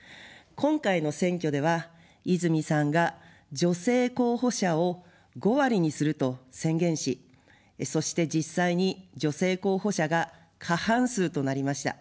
今回の選挙では泉さんが女性候補者を５割にすると宣言し、そして実際に女性候補者が過半数となりました。